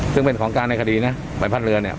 ซึ่งเป็นของการในคดีนะหมายภาพเรือนเนี่ย